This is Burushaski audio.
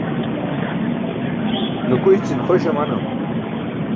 nukuycin xoś amanam